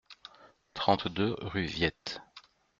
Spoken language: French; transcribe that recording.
trente-deux rue Viette